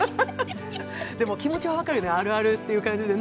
でも気持ちは分かるよね、あるあるっていう感じで。